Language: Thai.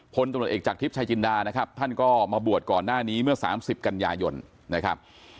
พลตำรวจเอกจากทริปชายจินดานะครับท่านก็มาบวชก่อนหน้านี้เมื่อ๓๐กันยายนนะครับ